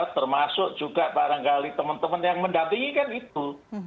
termasuk juga barangkali teman teman yang mendampingi kan itu